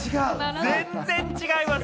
全然違います。